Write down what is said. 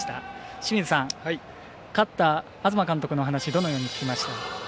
清水さん、勝った東監督の話どのように聞きました？